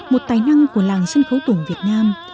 một tài năng của làng sân khấu tuồng việt nam